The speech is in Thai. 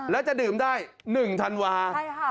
แล้วจะดื่มได้หนึ่งธันวาค์